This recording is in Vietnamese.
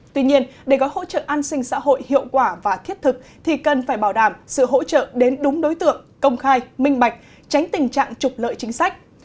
tuy nhiên để gói hỗ trợ an sinh xã hội hiệu quả và thiết thực thì cần phải bảo đảm sự hỗ trợ đến đúng đối tượng công khai minh bạch tránh tình trạng trục lợi chính sách